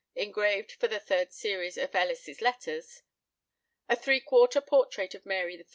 engraved for the third series of Ellis's Letters; a three quarter portrait of Mary I.